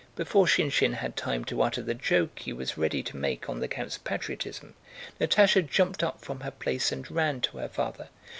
Before Shinshín had time to utter the joke he was ready to make on the count's patriotism, Natásha jumped up from her place and ran to her father.